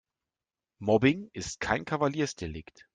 Mobbing ist kein Kavaliersdelikt.